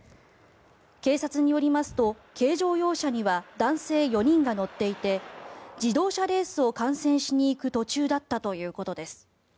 警察によりますと軽乗用車には男性４人が乗っていて自動車レースを観戦しに行く途中だったということです。